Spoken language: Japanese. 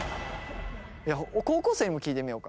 高校生にも聞いてみようか。